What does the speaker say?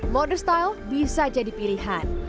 moder style bisa jadi pilihan